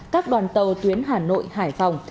các đoàn tàu tuyến hà nội hải phòng